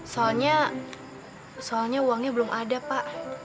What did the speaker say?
soalnya soalnya uangnya belum ada pak